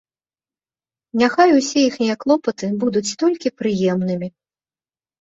Няхай усе іхнія клопаты будуць толькі прыемнымі.